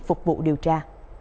phục vụ điều tra